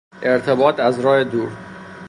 ارتباط از راه دور